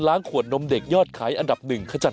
สวัสดีค่ะ